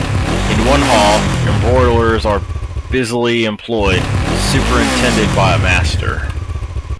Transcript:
In one hall, embroiderers are busily employed, superintended by a master.